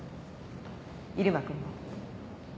入間君も。